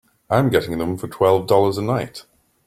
I'm getting them for twelve dollars a night.